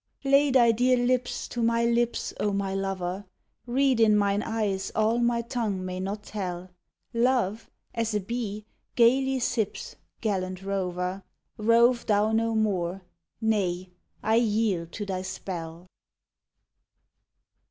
Lay thy dear lips to my lips, oh my lover, Read in mine eyes all my tongue may not tell! Love, as a bee, gaily sips (gallant rover!), Rove thou no more nay, I yield to thy spell!